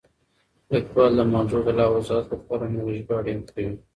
لیکوال د موضوع د لا وضاحت لپاره نورې ژباړې هم کوي.